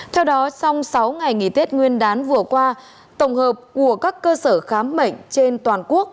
theo đó sau sáu ngày nghỉ tết nguyên đán vừa qua tổng hợp của các cơ sở khám bệnh trên toàn quốc